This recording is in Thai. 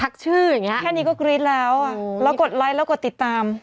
แค่นี้ก็กรี๊ดแล้วแล้วกดไลค์แล้วกดติดตาม